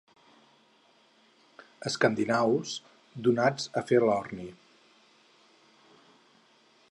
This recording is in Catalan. Escandinaus donats a fer l'orni.